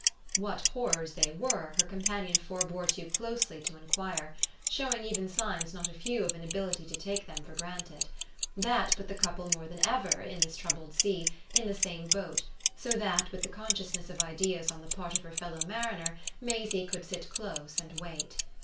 What horrors they were her companion forbore too closely to enquire, showing even signs not a few of an ability to take them for granted. That put the couple more than ever, in this troubled sea, in the same boat, so that with the consciousness of ideas on the part of her fellow mariner Maisie could sit close and wait.